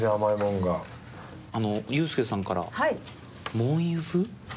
ユースケさんから。